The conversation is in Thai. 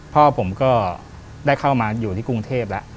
พ่อผมก็ได้เข้ามาอยู่ที่กรุงเทพแล้ว